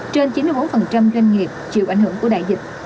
trên chín mươi bốn doanh nghiệp chịu ảnh hưởng của đại dịch